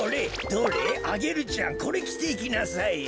どれアゲルちゃんこれきていきなさいよ。